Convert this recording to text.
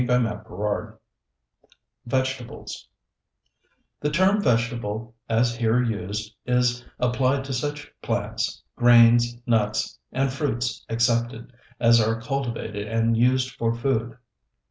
VEGETABLES VEGETABLES The term "vegetable," as here used, is applied to such plants (grains, nuts, and fruits excepted) as are cultivated and used for food.